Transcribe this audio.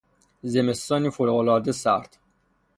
زمستانی فوقالعاده سرد